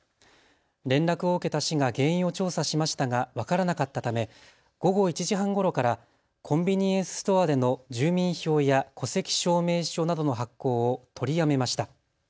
連絡を受けた市が原因を調査しましたが、分からなかったため、午後１時半ごろからコンビニエンスストアでの住民票や戸籍証明書などの発行を取りやめました。